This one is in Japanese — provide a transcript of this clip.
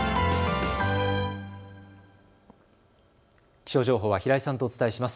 気象情報は平井さんとお伝えします。